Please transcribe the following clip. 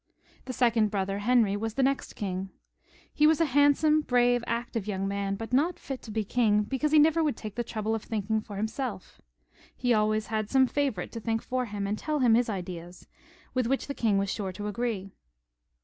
The second brother, Henry, was the next king. He was a handsome, brave, active young man, but not fit to be king, because he never would take the trouble of thinking for himseK. He always had some favourite to think for him and tell him his ideas, with which the king was sure to agree.